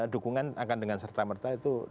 dukungan akan dengan serta merta itu